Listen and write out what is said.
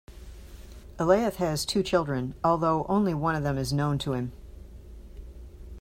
Elaith has two children, although only one of them is known to him.